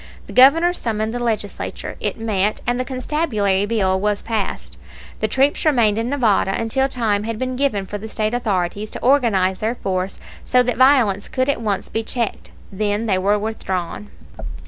The Governor summoned the Legislature, it met, and the constabulary bill was passed. The troops remained in Nevada until time had been given for the State authorities to organize their force so that violence could at once be checked. Then they were withdrawn.